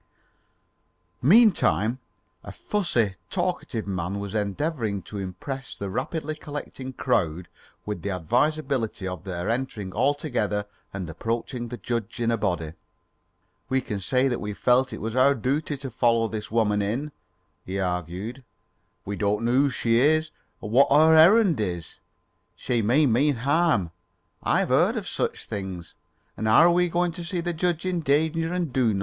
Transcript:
Meantime, a fussy, talkative man was endeavouring to impress the rapidly collecting crowd with the advisability of their entering all together and approaching the judge in a body. "We can say that we felt it to be our dooty to follow this woman in," he argued. "We don't know who she is, or what her errand is. She may mean harm; I've heard of such things, and are we goin' to see the judge in danger and do nothin'?"